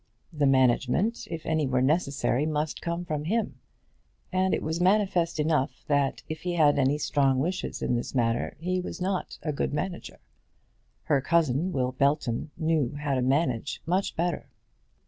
The management, if any were necessary, must come from him. And it was manifest enough that if he had any strong wishes in this matter he was not a good manager. Her cousin, Will Belton, knew how to manage much better.